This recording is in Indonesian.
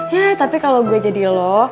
ya tapi kalau gue jadi lo